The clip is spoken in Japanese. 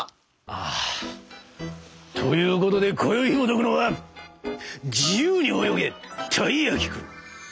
あということでこよいひもとくのは「自由に泳げ！たい焼きくん」。